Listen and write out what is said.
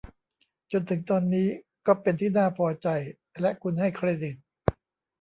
จนถึงตอนนี้ก็เป็นที่น่าพอใจและคุณให้เครดิต